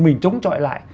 mình chống chọi lại